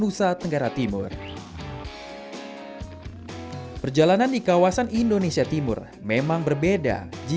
oke kita siap siap lagi